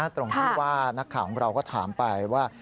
ตรงที่ว่านักข่าวของเราก็ถามไปว่า